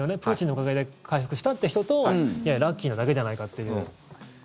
プーチンのおかげで回復したって人といや、ラッキーなだけじゃないかっていう。